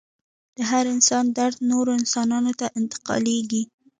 د هر انسان درد نورو انسانانو ته انتقالیږي.